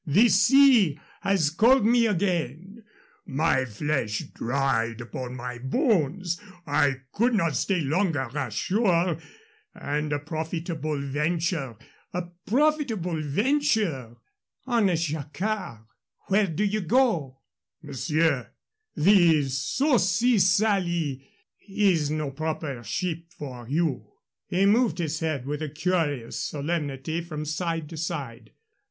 The sea has called me again. My flesh dried upon my bones. I could not stay longer ashore. And a profitable venture a profitable venture " "Honest, Jacquard! Where do ye go?" "Monsieur, the Saucy Sally is no proper ship for you." He moved his head with a curious solemnity from side to side.